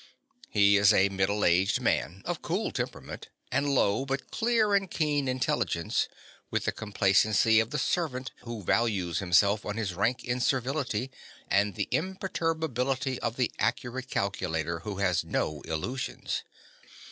He is a middle aged man of cool temperament and low but clear and keen intelligence, with the complacency of the servant who values himself on his rank in servility, and the imperturbability of the accurate calculator who has no illusions.